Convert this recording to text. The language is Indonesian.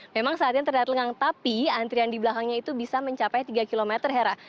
memang saatnya terlihat lengang tapi antrean di belakangnya itu bisa mencapai tiga km hera